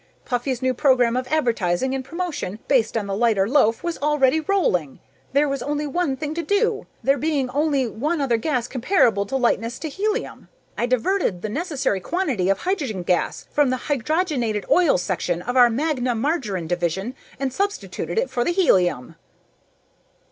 Puffy's new program of advertising and promotion, based on the lighter loaf, was already rolling. There was only one thing to do, there being only one other gas comparable in lightness to helium. I diverted the necessary quantity of hydrogen gas from the Hydrogenated Oils Section of our Magna Margarine Division and substituted it for the helium."